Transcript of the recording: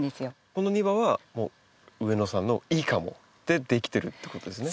この庭は上野さんの「いいかも！」で出来てるってことですね。